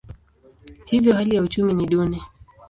Hivyo hali ya uchumi ni duni.